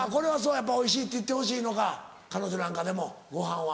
やっぱおいしいって言ってほしいのか彼女なんかでもごはんは。